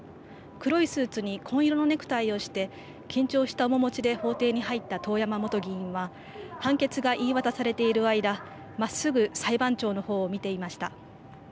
黒いスーツに紺色のネクタイをして緊張した面持ちで法廷に入った遠山元議員は判決が言い渡されている間、まっすぐ裁判長のほうを見ていました。